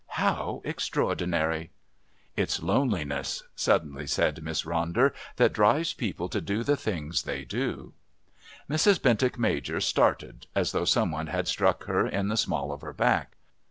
How extraordinary! "It's loneliness," suddenly said Miss Ronder, "that drives people to do the things they do." Mrs. Bentinck Major started as though some one had struck her in the small of her back.